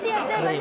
今。